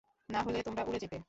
নাহলে তোমরা উড়ে যেতে।